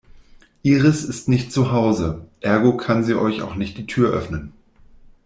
Iris ist nicht zu Hause, ergo kann sie euch auch nicht die Tür öffnen.